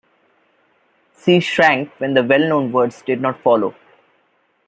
She shrank when the well-known words did not follow.